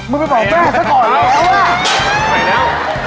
มึงไม่บอกแม่สักหน่อยแล้วว่ะไหวแล้ว